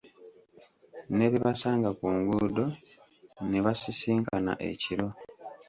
Ne be basanga ku nguudo, ne be basisinkana ekiro?